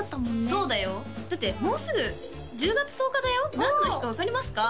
そうだよだってもうすぐ１０月１０日だよ何の日か分かりますか？